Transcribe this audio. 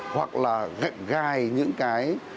hoặc là gạch gai những cái